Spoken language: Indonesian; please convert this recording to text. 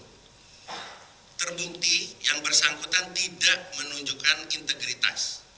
yang kedua terbukti yang bersangkutan tidak menunjukkan integritas